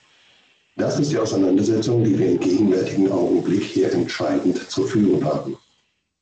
Das ist die Auseinandersetzung, die wir im gegenwärtigen Augenblick hier entscheidend zu führen haben.